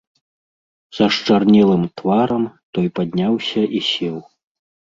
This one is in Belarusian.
Са счарнелым тварам, той падняўся і сеў.